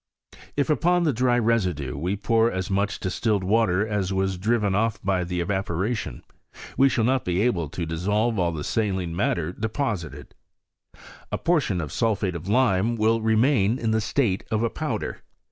If upon the dry residue we pour as much distilled water as was driven off by the evaporation, we shall not be able to dissolve the saline matter deposited ; a por ». tion of sulphate of lime will remain in the state of ^ a powder.